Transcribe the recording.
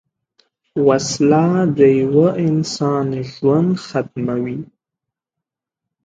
وسله د یوه انسان ژوند ختموي